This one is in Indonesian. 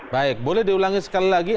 baik boleh diulangi sekali lagi